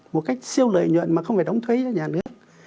một cách siêu lợi nhuận mà không phải đóng thuế cho nhà nước